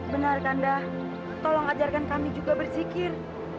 benar kandah tolong ajarkan kami juga berjikir